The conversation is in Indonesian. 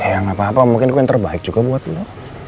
ya gapapa mungkin gua yang terbaik juga buat lu